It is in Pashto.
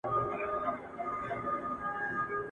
د وګړو به سول پورته آوازونه !.